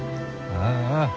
ああああ！